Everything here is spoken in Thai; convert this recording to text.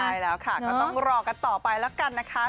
ใช่แล้วค่ะก็ต้องรอกันต่อไปแล้วกันนะคะ